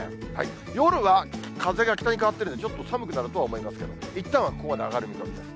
夜は風が北に変わってるんで、ちょっと寒くなるとは思いますけど、いったんはここまで上がる見込みです。